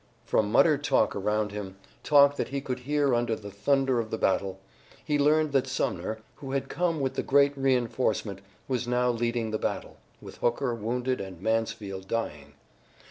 From muttered talk around him, talk that he could hear under the thunder of the battle, he learned that Sumner, who had come with the great reinforcement, was now leading the battle, with Hooker wounded and Mansfield dying.